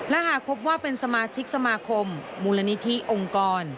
และหากพบว่าเป็นสมาชิกสมาคมมูลนิธิองค์กร